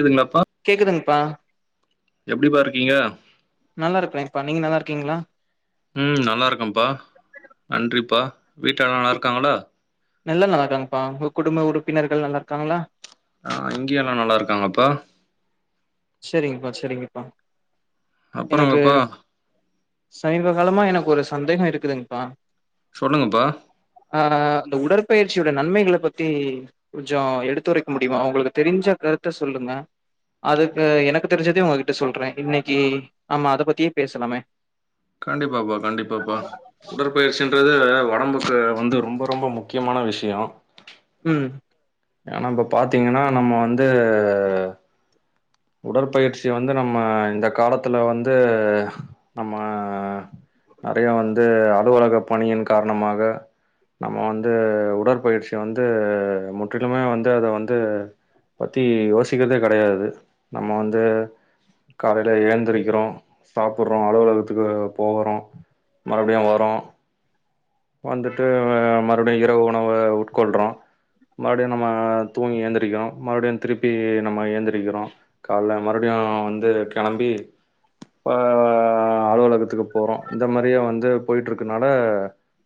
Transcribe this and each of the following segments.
இதுங்களாப்பா கேக்குதுங்ப்பா எப்டி பா இருக்கீங்க நல்லாருக்கறேம்பா நீங்க நல்லாருக்கீங்ளா ம் நல்லாருக்கேம்ப்பா நன்றிப்பா வீட்ல எல்லா நல்லாருக்காங்ளா நல்லா நல்லாருக்காங்கப்பா உங்க குடும்ப உறுப்பினர்கள் நல்லாருக்காங்ளா ஆ இங்கே எல்லா நல்லாருக்காங்கப்பா செரிங்கப்பா செரிங்கப்பா எனக்கு அப்றங்கப்பா சமீப காலமா எனக்கு ஒரு சந்தேகோ இருக்குதுங்பா சொல்லுங்கப்பா ஆ அந்த உடற் பயிற்சியோட நன்மைகள பத்தி கொஞ்ச எடுத்துரைக்க முடியுமா உங்களுக்கு தெரிஞ்ச கருத்த சொல்லுங்க அது அ எனக்கு தெரிஞ்சதயு உங்ககிட்ட சொல்ற இன்னைக்கு ஆமா அத பத்தியே பேசலாமே கண்டிப்பாப்பா கண்டிப்பாப்பா உடற்பயிற்சின் துது ஒடம்புக்கு வந்து ரொம்ப ரொம்ப முக்கியமான விஷயோ ம் ஏனா இப்ப பாத்திங்கனா நம்ம வந்து உடற்பயிற்சி வந்து நம்ம இந்த காலத்துல வந்து நம்ம நறைய வந்து அலுவலக பணியின் காரணமாக நம்ம வந்து உடற்பயிற்சி வந்து முற்றிலுமே வந்து அத வந்து பத்தி யோசிக்றதே கெடையாது நம்ம வந்து காலையில ஏந்திரிக்கிறோ சாப்ட்றோ அலுவலகத்துக்கு போவ்றோ மறுபடியூ வர்றோ வந்துட்டு மறுபடியூ இரவு உணவ உட்கொள்றோ மறுபடியூ நம்ம தூங்கி ஏந்திரிக்கோ மறுபடியூ திருப்பி நம்ம ஏந்திரிக்கிறோ காலல மறுபடியு வந்து கெளம்பி இப்ப அலுவலகத்துக்கு போறோ இந்த மாரியே வந்து போயட்டுருக்கனால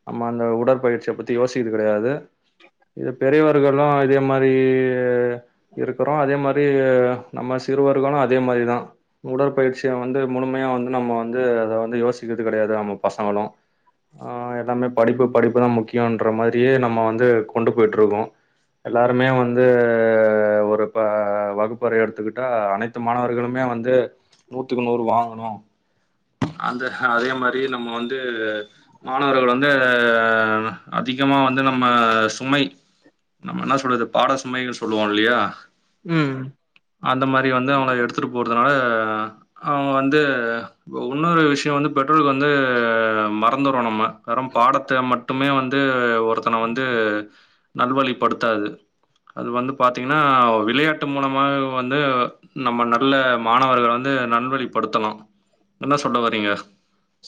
நம்ம அந்த உடற்பயிற்சிய பத்தி யோசிக்கது கெடையாது இது பெரியவர்களு இதே மாரி இருக்கறோ அதே மாரி நம்ம சிறுவர்களு அதே மாரிதா உடற்பயிற்சிய வந்து முழுமையா வந்து நம்ம வந்து அத வந்து யோசிக்கிறது கெடையாது நம்ம பசங்களு அ எல்லாமே படிப்பு படிப்புதா முக்கியன்ற மாரியே நம்ம வந்து கொண்டு போய்ட்டுருக்கோ எல்லாருமே வந்து ஒரு ப வகுப்பறை எடு த்துகிட்டா அனைத்து மாணவர்களுமே வந்து நூத்துக்கு நூறு வாங்கணு அந்த அதே மாரி நம்ம வந் து மாணவர்கள் வந் து அதிகமா வந்து நம்ம சுமை நம்ம என்ன சொல்றது பாட சுமைனு சொல்லுவோ இல்லையா ம் அந்த மாரி வந்து அவங்க எடுத்துட்டு போறதுனால அ அவங்க வந்து ஒன்னொரு விஷய வந்து பெற்றோர்க வந்து மறந்தர்றோ நம்ம வெறு பாடத்த மட்டுமே வந்து ஒருத்தன வந்து நல்வழிப்படுத்தாது அது வந்து பாத்திங்கனா விளையாட்டு மூலமா வந்து நம்ம நல்ல மாணவர்கள் வந்து நல்வழிப்படுத்தனு என்ன சொல்ல வரிங்க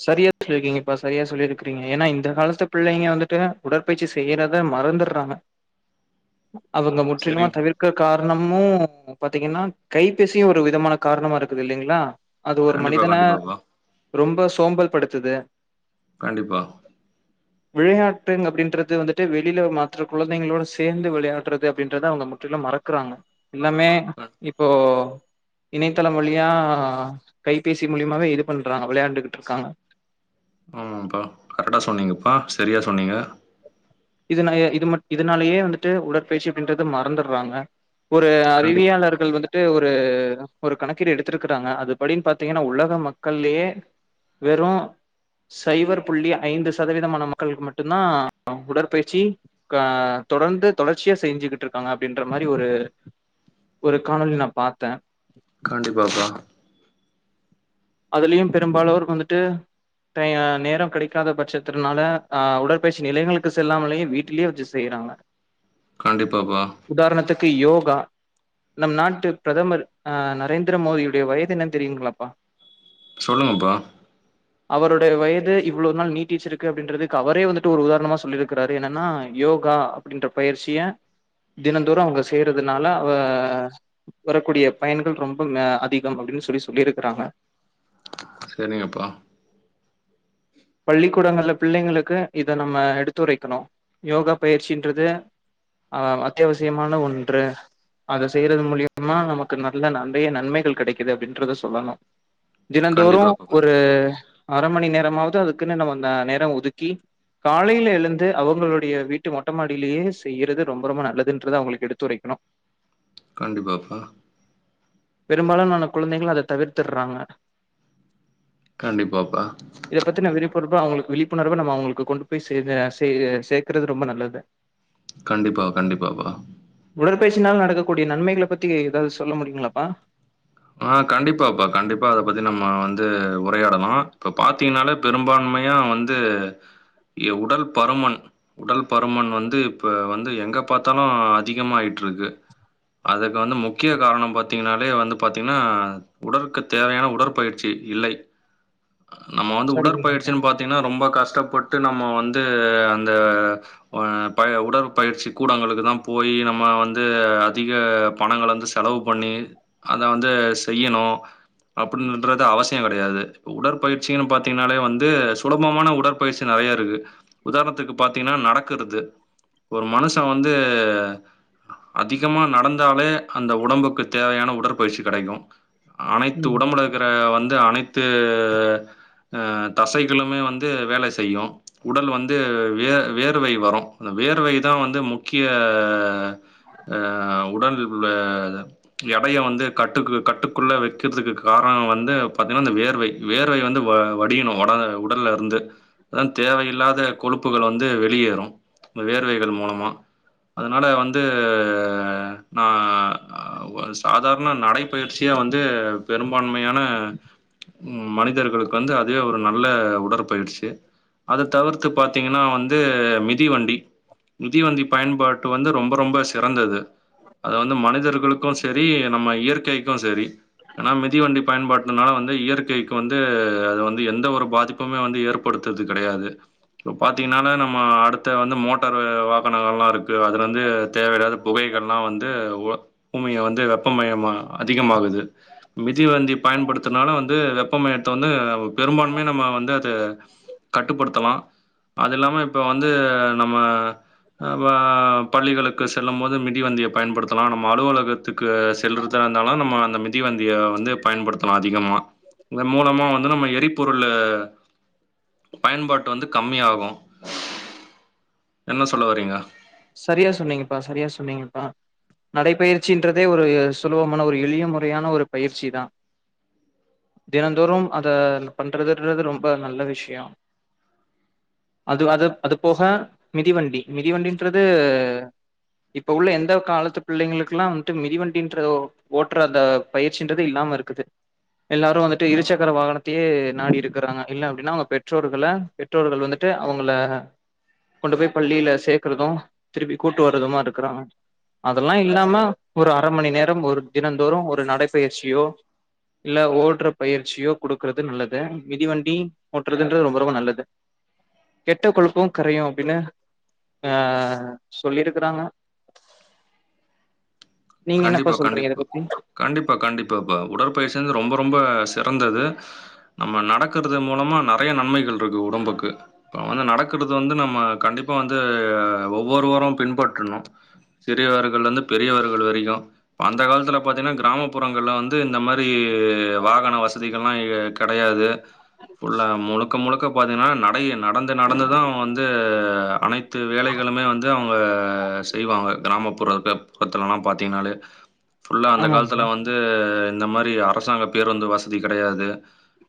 சரியா சொல்லிருக்கிங்கப்பா சரியா சொல்லியிருக்றிங்க ஏனா இந்த காலத்து பிள்ளைங்க வந்துட்டு உடற்பயிற்சி செய்யறத மறந்தர்றாங்க அவுங்க முற்றிலுமா சரிங்கம்மா. தவிர்க்க காரணமு பாத்திங்கன்னா கைபேசியு ஒரு விதமான காரணமா இருக்குது இல்லைங்ளா அது ஒரு கண்டிப்பா, மனிதன கண்டிப்பாப்பா. ரொம்ப உகழ்படுத்துது கண்டிப்பா. விள்ளையா துங் அப்டின்றது வந்துட்டு வெளியில ஒரு மற்ற குழந்தைங்களோட சேந்து விளையாட்றது அப்டின்றத அவ்ங்க முற்றிலு மறக்குறாங்க இல்லமே க இப்போ இணையத்தளம் வழியா கைபேசி மூலியமாவே இது பண்றாங்க விளையாண்டுக் கிட்டுருக்காங்க ம் பா கரெக்டா சொன்னீங்கப்பா சரியா சொன்னீங்க இதுனா இது இதுனாலயே வந்துட்டு உடற்பயிற்சி அப்டின்றது மறந்துர்றாங்க ஒரு கண்டிப்பாப்பா. அறிவியாளர்கள் வந்துட்டு ஒரு ஒரு கணக்கீடு எடுத்துர்கிறாங்க அதன்படி பாத்திங்கனா உலக மக்கள்ளயே வெறும் சைபர் புள்ளி ஐந்து சதவீதமான மக்கள்க்கு மட்டுந்தா உடற் பயிற்ச்சி தொடர்ந்து தொடர்ச்சியா செஞ்சுகிட்டு இருக்காங்க அப்டின்ற மாரி ஒரு காணொலி நா பாத்த கண்டிப்பாப்பா. அதுலயு பெரும்பாலோருக்கு வந்துட்டு நேரோ கிடைக்காத பட்சத்துனால அ உடற்பயிற்சி நிலையங்களுக்கு செல்லாமலயே வீட்லயே வெச்சு செய்யறாங்க கண்டிப்பா பா க்கு யோகா நம் நாட்டு பிரதமர் நரேந்திர மோதியுடைய வயது என்னனு தெரியுங்களாப்பா சொல்லுங்கப்பா அவருடைய வயது இவ்ளோ நாள் நீட்டிச்சு இருக்கு அப்படின்றதுக்கு அவரே வந்துட்டு ஒரு உதாரணமா சொல்லியிருக்கிறாரு என்னனா யோகா அப்டின்ற பயிற்சிய தினந்தோறு அவுங்க செய்யறதுனால அவ வரக்கூடிய பயன்ங்கள் ரொம்ப அதிகம் அப்டினு சொல்லி சொல்லிருக்கிறாங்க சரிங்கப்பா பள்ளிக்கூடங்கள்ல பிள்ளைங்களுக்கு இத நம்ம எடுத்துரைக்கணு யோகா பயிற்சின்றது அஹ் அத்தியாவசியமான ஒன்று அத செய்யறது மூலியமா நமக்கு நல்ல நெறய நன்மைகள் கிடைக்குது அப்டின்றத சொல்லனு தினந்தோறு கண்டிப்பாப்பா ஒரு கண்டிப்பா. அரை மணி நேரமாவது அது அதுக்குனு நம்ம நேரோ ஒதுக்கி காலைல எழுந்து அவுங்களுடைய வீட்டு மொட்டைமாடியிலயே செய்யறது ரொம்ப ரொம்ப நல்லதுன்றது அவுங்களுக்கு எடுத்துரைக்கணு கண்டிப்பா பா பெரும்பாலான குழந்தைகள் அத தவிர்த்துர்றாங்க கண்டிப்பா பா அவுங்களுக்கு விழிப்புணர்வ‌ நம்ம அவுங்களுக்கு கொண்டு போய் செ சேக்குறது ரொம்ப நல்லது கண்டிப்பா கண்டிப்பா பா தொலைபேசினால நடக்கக்கூடிய நன்மைகள பத்தி எதாவது சொல்ல முடியுங்களாப்பா ஆ கண்டிப்பாப்பா கண்டிப்பா அத பத்தி நம்ம வந்து உரையாடலா இப்ப பார்த்தீங்கனாலே பெரும்பான்மையா வந்து உடல் பருமன் உடல் பருமன் வந்து இப்போ வந்து எங்கே பாத்தாலு அதிகமாயிட்டுருக்கு அதுக்கு வந்து முக்கிய காரணம் பாத்தீங்கனாலே வந்து பாத்தீங்கன்னா உடல்க்கு தேவையான உடற்பயிற்சி இல்லை நம்ம வந்து சரிங்கப்பா உடற்பயிற்சினு பாத்தீங்கன்னா ரொம்ப கஷ்டப்பட் ட்டு நம்ம வந்து அந்த ஆ உடற்பயிற்சி கூடங்களுக்குதா போயி நம்ம வந்து அதிக பணங்கள வந்து செலவு பண்ணி அத வந்து செய்யணு அப்டின்றது அவசியம் கெடையாது உடற்பயிற்சினு பாத்தீங்கனாலே வந்து சுலபமான உடற்பயிற்சி நெறயா இருக்கு உதாரணத்துக்கு பாத்தீங்கன்னா நடக்கிறது ஒரு மனுஷன் வந்து அதிகமா நடந்தாலே அந்த உடம்புக்கு தேவையான உடற் பயிற்சி கெடைக்கு அனைத்து ம் உடம்புல இருக்கிற வந்து அனைத்து தசைகளுமே வந்து வேலை செய்யு உடல் வந்து வியர் வேர்வை வரு அந்த வேர்வைதா வந்து முக்கிய உடல் எடய வந்து கட்டு கட்டுக்குள்ள வெக்கிறதுக்கு காரணோ வந்து பாத்திங்கனா வேர்வை வேர்வை வந்து வடியனு உட ல்ல இருந்து தேவையில்லாத கொழுப்புகள் வந்து வெளியேறு வேர்வைகள் மூலமா அதனால வந்து நா சாதார ண நடைப்பயிற்சியா வந்து பெரும்பான்மையான மனிதர்களுக்கு வந்து அதுவே ஒரு நல்ல உடற்பயிற்சி அத தவிர்த்து பாத்தீங்கன்னா வந்து மிதிவண்டி மிதிவண்டி பயன்பாட்டு வந்து ரொம்ப ரொம்ப சிறந்தது அது வந்து மனிதர்களுக்கு சரி நம்ம இயற்கைக்கு சரி ஏனா மிதிவண்டி பயன்பாட்டுனால வந்து இயற்கைக்கு வந்து அது வந்து எந்த ஒரு பாதிப்புமே வந்து ஏற்படுத்துறது கிடையாது இப்ப பாத்திங்கனா நம்ம அடுத்த வந்து மோட்டார் வாகனங்களா இருக்கு அது வ‌ந்து தேவையில்லாத புகைகல்லா வந்து பூமிய வந்து மயம் அதிகமாகுது மிதி வண்டி பயன்படுத் தனால வந்து வெப்பமயத்த வந்து பெரும்பான்மைய நம்ம வந்து அத கட்டுப்படுத்தலா அது இல்லாம இப்ப வந்து நம்ம ப பள்ளிகளுக்கு செல்லும் போது மிதிவண்டியை பயன்படுத்தலா நம்ம அலுவலகத்துக்கு செல்றதா‌ இருந்தாலு நம்ம அந்த மிதிவண்டிய வந்து பயன்படுத்தலா அதிகமா இதன் மூலமா வந்து நம்ம எரிபொருள பயன்பாட்டு வந்து கம்மியாகு என்ன சொல்ல வரீங்க சரியா சொன்னீங்கப்பா சரியா சொன்னீங்கப்பா நடைப்பயிற்சின்றதே ஒரு சுலபமான ஒரு எளிய முறையான ஒரு பயிற்சி தா தினந்தோறும் அத பண்றதுன்றது ரொம்ப நல்ல விஷயம் அது அது அது போக மிதிவண்டி மிதிவண்டின் றது இப்ப உள்ள எந்த காலத்து பிள்ளைங்களுக்கெல்லாம் வந்துட்டு மிதிவண்டி ஓட்டுற அந்த பயிற்சின்றது இல்லாம இருக்குது எல்லாரு வந்துட்டு இருசக்கர வாகனத்தையே நாடி இருக்குறாங்க இல்ல அப்டின்னா அவுங்க பெற்றோர்கள பெற்றோர்கள் வந்துட்டு அவுங்கள கொண்டு போய் பள்ளியில சே க்கறது திருப்பி கூட்டு வரதுமா இருக்குறோ அதலா இல்லாம ஒரு அரை மணி நேரம் தினந்தோறு ஒரு நடைபயிற்சியோ இல்ல ஓடுற பயிற்சியோ குடுக்குறது நல்லது மிதிவண்டி ஓட்டுறதுன்றது ரொம்ப ரொம்ப நல்லது கெட்ட கொழுப்பும் கரையு அப்படின்னு ஆஹ் சொல்லிருக்கறாங்க நீங்க என்னப்பா கண்டிப்பா சொல்றீங்க இத கண்டிப்பா பத்தி கண்டிப்பா கண்டிப்பாப்ப உடற்பயிற்சிந்து ரொம்ப ரொம்ப சி சிறந்தது நம்ம நடக்கறது மூலமா நெறைய நன்மைகள் இருக்கு உடம்புக்கு இப்ப வந்து நடக்கறது வந்து நம்ம கண்டிப்பா வந்து ஒவ்வொருவரு பின்பற்றணு சிறியவர்கள் இருந்து பெரியவர்கள் வரை அந்த காலத்துல பாத்தீன்னா கிராமப்பு புறங்கள்ல வந்து இந்த மாரி வாகன வசதிகள்லா கடையாது ஃபுல்லா முழுக்க முழுக்க பாத்தீங்கன்னா நடைய நடந் பா து நடந்து தா அவுங்க வந்து அனைத்து வேலைகளுமே வந்து அவங்க செய்வாங்க கிராமப்புற றத்தலலாம் பாத்தீங்கன்னாளே ஃபுல்லா அந்த காலத்துல ஆமாங்கப்பா வந்து இந்த மாரி அரசாங்க பேருந்து வசதி கெடையாது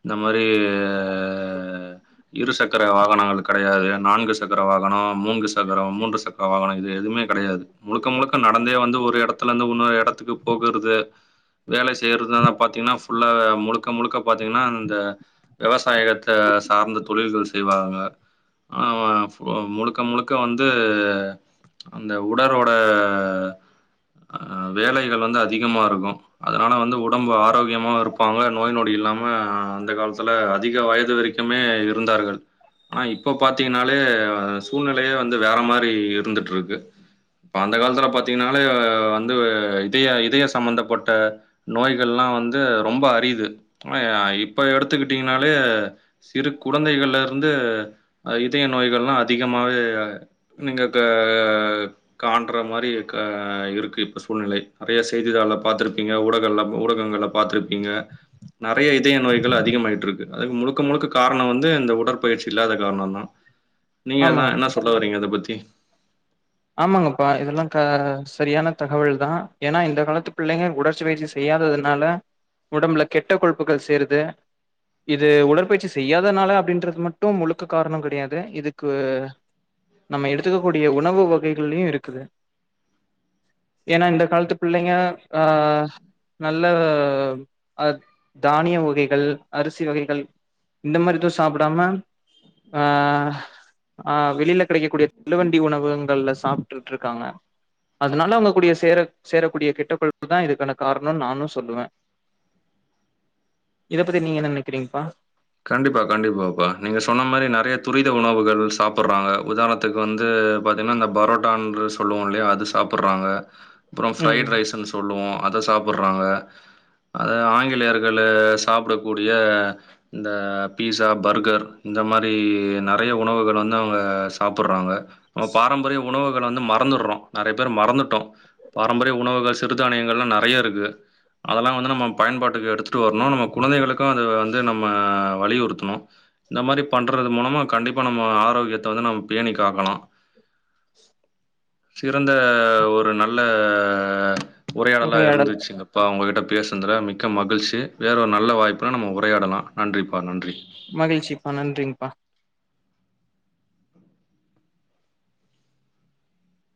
இந்த மா இந்த மாரி இரு சக்கர வாகனங்கள் கடையாது நான்கு சக்கர வாகனம் மூன்று சக்கர சக்கரம் மூன்று சக்கரம் வாகன இது எதுமே கிடையாது முழுக்க முழுக்க நடந்தே வந்து ஒரு எடத் துலந்து இன்னொரு எடத்துக்கு போகுறது வேலை செய்றது தா பாத்தீங்கன்னா ஃபுல்லா முழுக்க முழுக்க பாத்தீங்கன்னா இந்த விவசாயத்த சார்ந்த தொழில்கள் செய்வாங்க ஆஹ் முழுக்க முழுக்க வந்து அந்த உடலோட அஹ் வேலைகள் வந்து அதிகமா இருக்கு அதனால வந்து உடம்பு ஆரோக்கியமா இருப்பாங்க நோய் நொடி இல்லாம அந்த காலத்துல அதிக வயது வரைக்குமே இருந்தார்கள் ஆனா இப்ப பாத்தீங்கன்னாலே சூழ்நிலையே வந்து வேற மாரி இருந்துட்டு இருக்கு இப்ப அந்த காலத்துல பாத்தீங்கன்னாலே வந்து இதய இதய சம்பந்தப்பட்ட நோய்கள்லாம் வந்து ரொம்ப அரிது ஆ இ இப்ப எடுத்துக்கிட்டீங்கனாலே சிறு குழந்தைகள்ல இருந்து இதய நோய்கள்லாம் அதிகமாவே நீங்க க காண்ற மாரி இருக்கு சூழ்நிலை நெறைய செய்திதாள்கள பாத்திருப்பீங்க ஊடக ஊடகங்கள பாத்திருப்பீங்க நெறைய இதய நோய்கள் அதிகமா யிட்ருக்கு அதுக்கு முழுக்க முழுக்க காரண வந்து இந்த உடற்பயிற்சி இல்லாத காரணந்தா நீங்கதா ஆமாங்க என்ன சொல்ல வரீங்க இத பத்தி தி ஆமாங்கப்பா இதெல்லா க சரியான தகவல் தா ஏன்னா இந்த காலத்து பிள்ளைங்க உடறி பயிற்சி செய்யாததுனால உடம்புல கெட்ட கொழுப்புகள் சேருது இது உடற்பயிற்சி செய்யாதனால அப்படின்றது மட்டும் முழுக்க காரண கிடையாது இதுக்கு நம்ம எடுத்துக்கக்க கூடிய உணவு கள்ளயு இருக்குது ஏன்னா இந்த காலத்து பிள்ளைங்க ஆஹ் நல்ல அஹ தானிய வகைகள் அரிசி வகைகள் இந்த மாதிரி எதும் சாப்பிடாம ஆஹ் ஆஹ் வெளில கிடைக்கக்கூடிய தள்ளுவண்டி உணவுகங்கள்ல சாப்பிட்டுட்டு இருக்காங்க அதனால அவங்க கூடிய சேர சேரக்கூடிய கெட்ட கொழுப்பு தா இதுக்கான காரணம்னு நானும் சொல்லுவே இத பத்தி நீங்க என்ன நினைக்கிறீங்கப்பா கண்டிப்பா, கண்டிப்பாப்பா. நீங்க சடுறாங்க உதாரணத்துக்கு வந்து பாத்தீங்கன்னா இந்த பரோட்டான் சொல்லுவோ இல்லையா அது சாப்பிடுறாங்க அப்றம் ம் ஃப்ரைட் ரைஸ்ன்னு சொல்லுவோ அதை சாப்பர்றாங்க அத ஆங்கிலேயர்களு சாப்டக்கூடிய இந்த பீஸா பர்கர் இந்த மாரி நறைய உணவுகள் வந்து அவுங்க சாப்பர்றாங்க அ பாரம்பரிய உணவு கள் வந்து மறந்துர்றோ நறைய பேர் மறந்துட்டோ பாரம்பரிய உணவுகள் சிறுதானியங்கள்லா நறைய இருக்கு அதெல்லா வந்து நம்ம பயன்பாட்டுக்கு எடுத்ட்டு வர்ணு நம்ம குழந்தைகளுக்கு அது வந்து ந ம்ம வலியுறுத்தணு இந்த மாரி பண்றது மூலமா கண்டிப்பா நம்ம ஆரோக்கியத்த வந் நம் பேணி காக்கணு சிறந்த ஒரு நல்ல உரையாடலா உரையாடல் இருந்துச்சுங்கப்பா உங்ககிட்ட பேசுனதுல மிக்க மகிழ்ச்சி வேற ஒரு நல்ல வாய்ப்புனா நம்ம உரையாடலா நன்றிப்பா நன்றி மகிழ்ச்சிப்பா நன்றிங்ப்பா